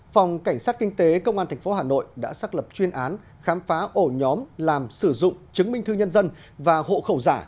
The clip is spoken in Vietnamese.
phòng cảnh sát kinh tế công an tp hà nội đã xác lập chuyên án khám phá ổ nhóm làm sử dụng chứng minh thư nhân dân và hộ khẩu giả